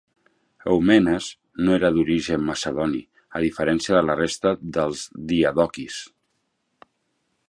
Eumenes no era d'origen macedoni, a diferència de la resta dels diadoquis.